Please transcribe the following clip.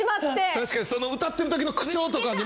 確かに歌ってる時の口調とかにも。